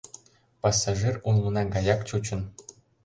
Пассажир улмына гаяк чучын.